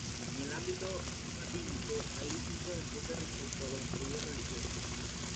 En el ámbito rabínico hay distintos enfoques respecto a los estudios religiosos.